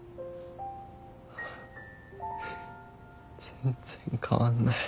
全然変わんない。